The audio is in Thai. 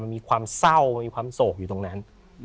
มันมีความเศร้ามีความโศกอยู่ตรงนั้น